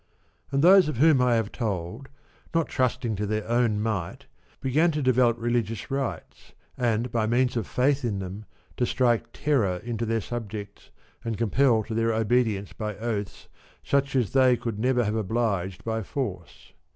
And those of whom I have told, not trusting to their own might, began to develop religious rites, and by means of faith in them to strike terror into their subjects, and compel to their obedience by oaths such as they could never have obliged by force.